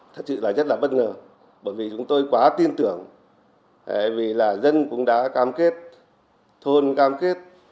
thật sự là rất là bất ngờ bởi vì chúng tôi quá tin tưởng vì là dân cũng đã cam kết thôn cam kết